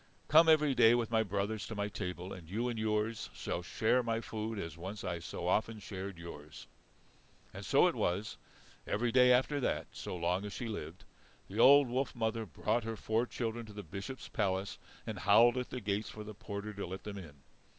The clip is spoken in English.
Come every day with my brothers to my table, and you and yours shall share my food, as once I so often shared yours." And so it was. Every day after that, so long as she lived, the old wolf mother brought her four children to the Bishop's palace and howled at the gate for the porter to let them in.